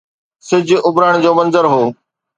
سج اڀرڻ جو منظر هو.